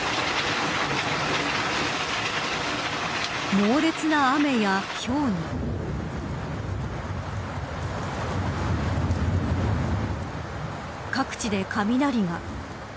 猛烈な雨やひょうに各地で雷が。